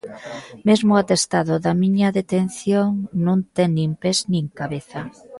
Mesmo o atestado da miña detención non ten nin pés nin cabeza.